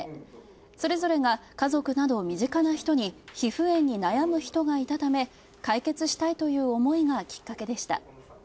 それぞれが家族など身近な人に皮膚炎に悩む人がいたため、解決したいという思いがきっかけでした。